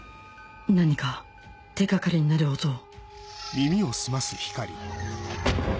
何か手掛かりになる音を